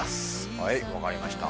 はい分かりました。